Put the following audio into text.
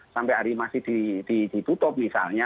sampai hari masih ditutup misalnya